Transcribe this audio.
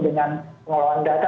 dengan pengelolaan data